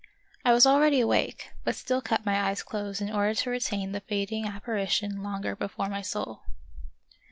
I was already awake, but still kept my eyes closed in order to retain the fading appari tion longer before my soul.